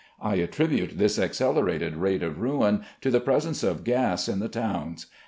I attribute this accelerated rate of ruin to the presence of gas in the towns.